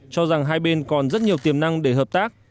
cho rằng hai bên còn rất nhiều tiềm năng để hợp tác